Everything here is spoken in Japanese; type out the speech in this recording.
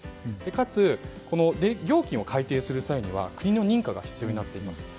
かつ、料金を改定する際には国の認可が必要になってきます。